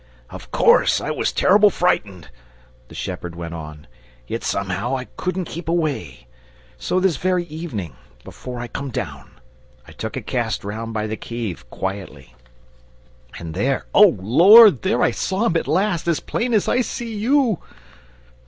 "Of course I was terrible frightened," the shepherd went on; "yet somehow I couldn't keep away. So this very evening, before I come down, I took a cast round by the cave, quietly. And there O Lord! there I saw him at last, as plain as I see you!"